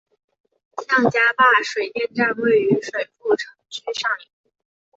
向家坝水电站位于水富城区上游。